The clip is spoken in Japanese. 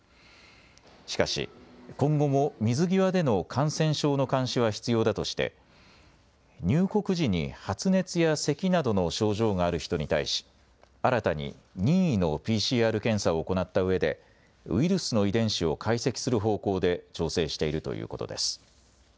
しかし今後も水際での感染症の監視は必要だとして入国時に発熱やせきなどの症状がある人に対し、新たに任意のＰＣＲ検査を行ったうえでウイルスの遺伝子を解析する方向で調整しているということです。